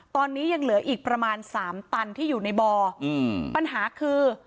ตอนนี้ยังเหลืออีกประมาณสามตันที่อยู่ในบ่ออืมปัญหาคือ